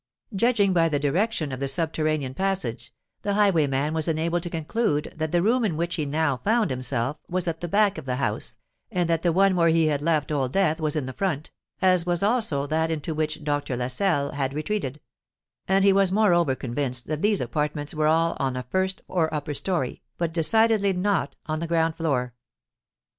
Judging by the direction of the subterranean passage, the highwayman was enabled to conclude that the room in which he now found himself was at the back of the house, and that the one where he had left Old Death was in the front, as was also that into which Dr. Lascelles had retreated; and he was moreover convinced that these apartments were all on a first or upper storey, but decidedly not on the ground floor.